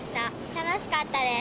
楽しかったです。